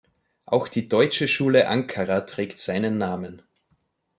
Auch die Deutsche Schule Ankara trägt seinen Namen.